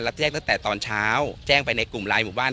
รับแจ้งตั้งแต่ตอนเช้าแจ้งไปในกลุ่มไลน์หมู่บ้าน